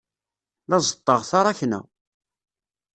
La ẓeṭṭeɣ taṛakna.